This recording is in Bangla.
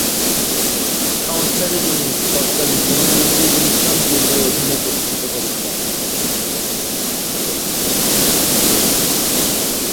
সংস্থাটি তিনি তৎকালিন প্রধানমন্ত্রী উইনস্টন ফিল্ডের অধীনে প্রতিষ্ঠিত করেছিলেন।